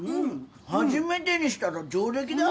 初めてにしたら上出来だ。